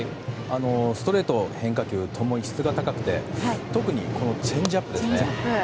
ストレート、変化球ともに質が高くて特にこのチェンジアップですね。